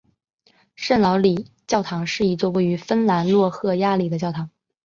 圣劳里教堂是一座位于芬兰洛赫亚的教堂。